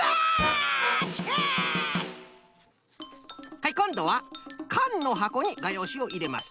はいこんどはかんのはこにがようしをいれます。